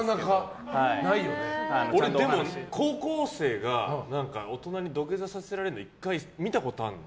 俺、高校生が大人に土下座させられるの、１回見たことがあるの。